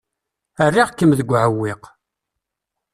Rriɣ-kem deg uɛewwiq.